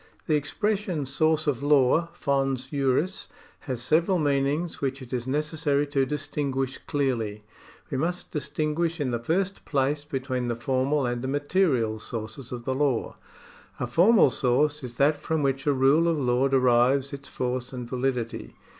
The expression source of law (fons juris) has several meanings which it is necessary to distinguish clearly. We must distin guish in the first place between the formal and the material sources of the law. A formal source is that from which a rule of law derives its force and validity.